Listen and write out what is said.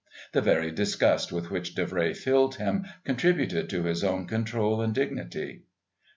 The very disgust with which Davray filled him contributed to his own control and dignity.